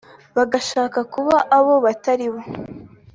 bagashaka kuba abo batari bo